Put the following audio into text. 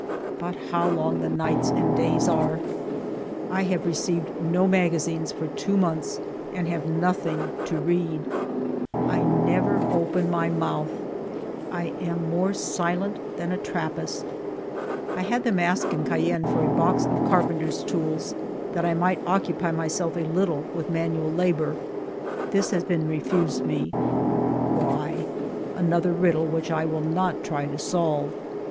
But how long the nights and days are ! I have received no magazines for two months, and have nothing to read. II i62 FIVE YEARS OF MY LIFE I never open my mouth ; I am more silent than a Trapplst. I had them ask in Cayenne for a box of car penter's tools that I might occupy myself a little with manual labor. This has been refused me. Why ? Another riddle which I will not try to solve.